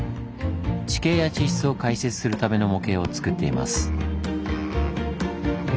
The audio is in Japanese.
地形や地質を解説するための模型を作っています。